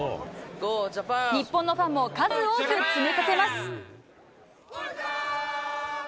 日本のファンも数多く詰めかけます。